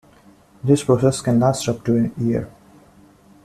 This process can last up to a year.